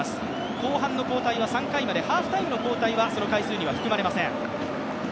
後半の交代は３回まで、ハーフタイムの交代はその回数には含まれません。